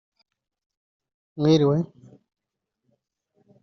Mwiriwe